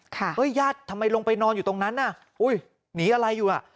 เฮ้ยญาติทำไมลงไปนอนอยู่ตรงนั้นน่ะอุ้ยหนีอะไรอยู่อ่ะ